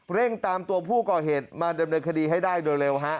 เร่งตามตัวผู้ก่อเหตุมาดำเนินคดีให้ได้โดยเร็วฮะ